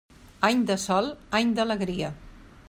Any de sol, any d'alegria.